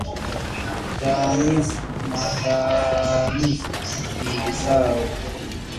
Taanisi na taanusi ni visawe